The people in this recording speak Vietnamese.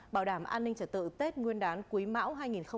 bảo đảm an ninh trật tự tết nguyên đán quý mão hai nghìn hai mươi ba